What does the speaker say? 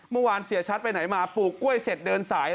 เมื่อวานเสียชัดไปไหนมาปลูกกล้วยเสร็จเดินสาย